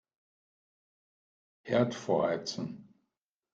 Herd vorheizen.